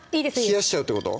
冷やしちゃうってこと？